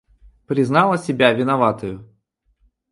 Признала себя виноватою.